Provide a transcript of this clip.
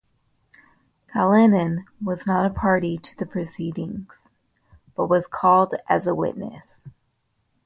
Callinan was not a party to the proceedings, but was called as a witness.